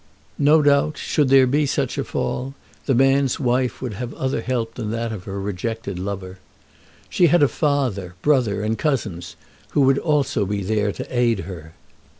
No doubt, should there be such fall, the man's wife would have other help than that of her rejected lover. She had a father, brother, and cousins, who would also be there to aid her.